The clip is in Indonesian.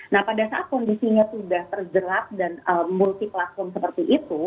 nah pada saat kondisinya sudah terjerat dan terlalu banyak yang terjadi